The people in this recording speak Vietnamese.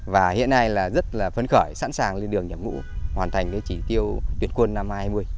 và hiện nay là rất là phấn khởi sẵn sàng lên đường nhập ngũ hoàn thành cái chỉ tiêu tuyển quân năm hai nghìn hai mươi